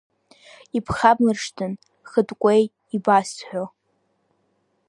Ибхабмыршҭын, хыткәеи, ибасҳәо…